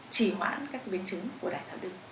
trì hoãn các biến chứng của đài tháo đường